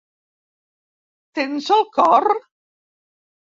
Tens el cor?